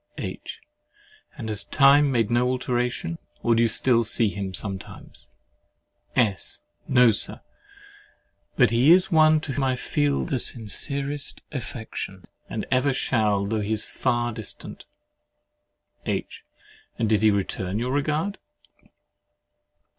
H. And has time made no alteration? Or do you still see him sometimes? S. No, Sir! But he is one to whom I feel the sincerest affection, and ever shall, though he is far distant. H. And did he return your regard?